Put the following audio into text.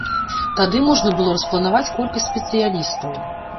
Тады можна было распланаваць колькасць спецыялістаў.